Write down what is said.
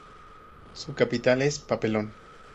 Su capital es Papelón.